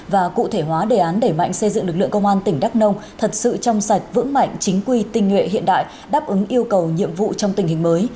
và cụ thể hóa đề án đẩy mạnh xây dựng lực lượng công an tỉnh đắk nông thật sự trong sạch vững mạnh chính quy tinh nhuệ hiện đại đáp ứng yêu cầu nhiệm vụ trong tình hình mới